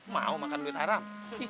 mau makan duit haram